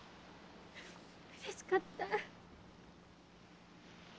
うれしかった！